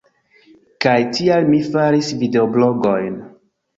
Kaj tial mi faris videoblogojn.